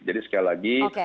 jadi sekali lagi